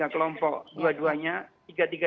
tiga kelompok dua dua nya